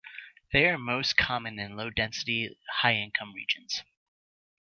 They are most common in low-density, high-income regions.